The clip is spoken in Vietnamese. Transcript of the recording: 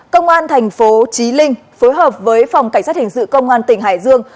công an thành phố trí linh phối hợp với phòng cảnh sát hình sự công an tỉnh hải dương